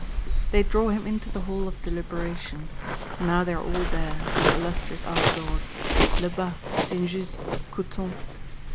They draw him into the Hall of Deliberation. Now they are all there, these illustrious outlaws, Lebas, Saint Just, Couthon.